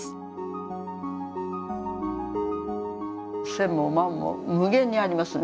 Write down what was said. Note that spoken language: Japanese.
千も万も無限にありますね